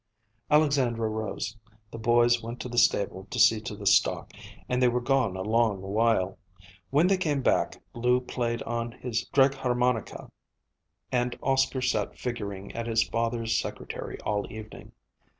Alexandra rose. The boys went to the stable to see to the stock, and they were gone a long while. When they came back Lou played on his dragharmonika and Oscar sat figuring at his father's secretary all evening.